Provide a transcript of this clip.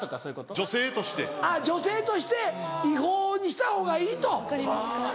女性として違法にしたほうがいいとはぁ。